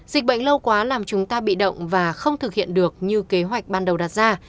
dịch bệnh lâu quá làm chúng ta bị động và không thực hiện được như kế hoạch ban đầu đặt ra